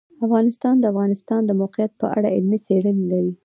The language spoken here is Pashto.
افغانستان د د افغانستان د موقعیت په اړه علمي څېړنې لري.